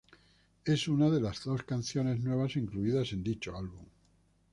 Es una de las dos canciones nuevas incluidas en dicho álbum.